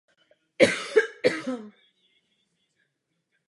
Chtěla bych vyzdvihnout tři věci.